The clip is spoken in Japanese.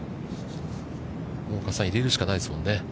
加瀬さん、入れるしかないですもんね。